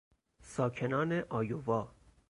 ساکنان آیووا